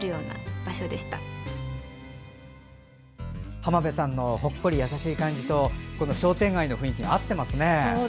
浜辺さんのほっこり優しい感じとこの商店街の雰囲気が合っていますね。